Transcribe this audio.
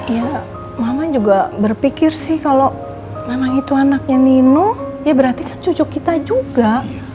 ya mama juga berpikir sih kalau memang itu anaknya nino ya berarti kan cucu kita juga